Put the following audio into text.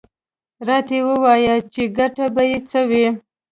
_راته ووايه چې ګټه به يې څه وي؟